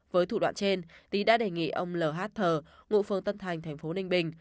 với thủ đoạn trên tý đã đề nghị ông l h thờ mụ phường tân thành tp ninh bình